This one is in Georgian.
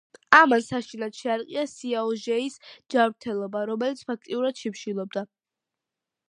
ამან საშინლად შეარყია სიაოჟეის ჯანმრთელობა, რომელიც ფაქტიურად შიმშილობდა.